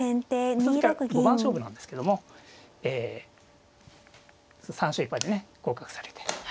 その時は５番勝負なんですけどもえ３勝１敗でね合格されて。